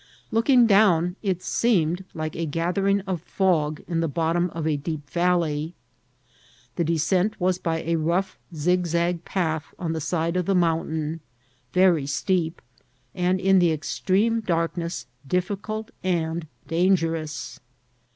Looking down, it seemr ed like a gathering of fog in the bottom of a deep yal^ ley. The descent was by a rough zigsag path on the side of the mountain, very steep, and, in the extreme darkness, difficult and dangerous.